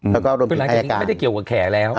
เมื่อเหล่านี้ไม่ได้เกี่ยวกับแขกแล้ว